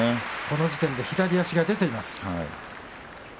この時点で左足が出ています。